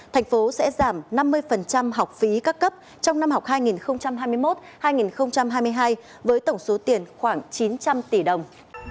thành phố sẽ giảm năm mươi học phí các cấp trong năm học hai nghìn hai mươi một hai nghìn hai mươi hai với tổng số tiền khoảng chín trăm linh tỷ đồng